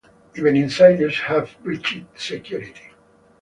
Even insiders have breached security.